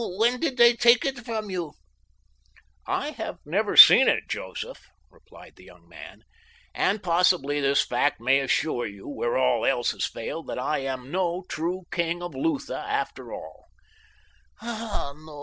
When did they take it from you?" "I have never seen it, Joseph," replied the young man, "and possibly this fact may assure you where all else has failed that I am no true king of Lutha, after all."